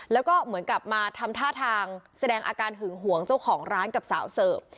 แล้วก็เหมือนกลับมาทำท่าทางแสดงอาการหึงหวงเจ้าของร้านกับสาวเสิร์ฟ